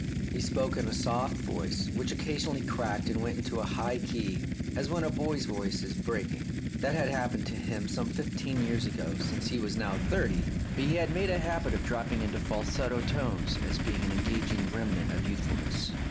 He spoke in a soft voice, which occasionally cracked and went into a high key, as when a boy's voice is breaking. That had happened to him some fifteen years ago, 267 The Tragedy of Oliver Bowman since he was now thirty; but he had made a habit of dropping into falsetto tones, as being an engaging remnant of youthfulness.